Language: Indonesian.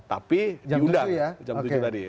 tapi diundang jam tujuh tadi